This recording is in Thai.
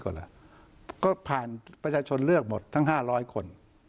ก็ผ่านประชาชนเลือกหมดทั้ง๕๐๐คน